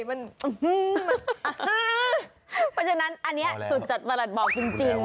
เพราะฉะนั้นอันนี้สุดจัดประหลัดบอกจริง